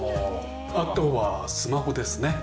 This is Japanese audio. あとはスマホですね。